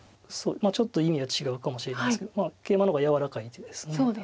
ちょっと意味は違うかもしれないですけどケイマの方が柔らかい手です。